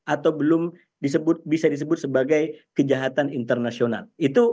atau belum bisa disebut sebagai kejahatan internasional